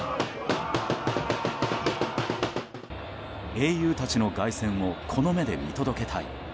英雄たちの凱旋をこの目で見届けたい。